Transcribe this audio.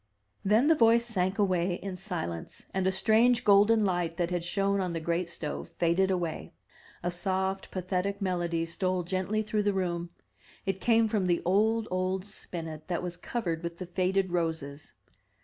'* Then the voice sank away in silence, and a strange golden light that had shone on the great stove faded away. A soft pathetic melody stole gently through the room. It came from the old, old spinet that was covered with the faded roses.